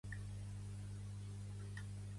Jo sóc l'únic català del barri